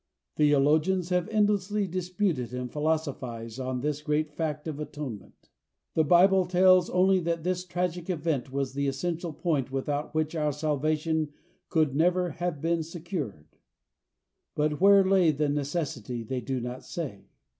Theologians have endlessly disputed and philosophized on this great fact of atonement. The Bible tells only that this tragic event was the essential point without which our salvation could never have been secured. But where lay the necessity they do not say.